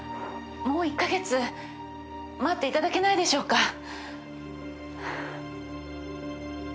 もう１カ月待っていただけないでしょうか？